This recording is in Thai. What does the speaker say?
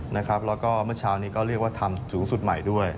แล้วก็เมื่อเช้านี้ก็เรียกว่าทำสูงสุดใหม่ด้วย